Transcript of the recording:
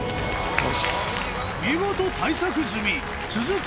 見事対策済み続く